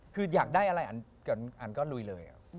คืออยากได้อะไรอันก็ลุยเลย